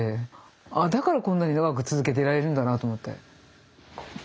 あだからこんなに長く続けてられるんだなって思って。